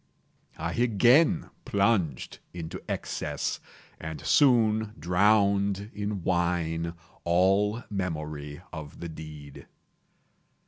I again plunged into excess, and soon drowned in wine all memory of the deed.